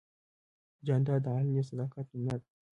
جانداد د علني صداقت نمونه ده.